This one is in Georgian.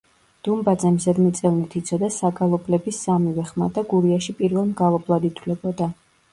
დუმბაძემ ზედმიწევნით იცოდა საგალობლების სამივე ხმა და გურიაში პირველ მგალობლად ითვლებოდა.